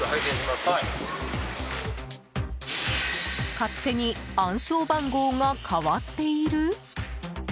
勝手に暗証番号が変わっている？